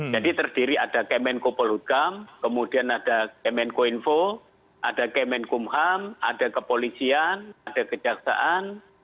jadi terdiri ada kemenko poludgam kemudian ada kemenko info ada kemenko umham ada kepolisian ada kejaksaan